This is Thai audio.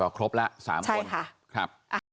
ก็ครบละสามคนใช่ค่ะครับ